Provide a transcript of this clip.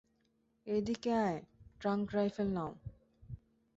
এইদিকে আয় trunk rifle নাও!